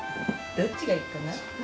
どっちがいいかな？